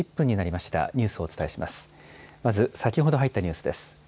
まず先ほど入ったニュースです。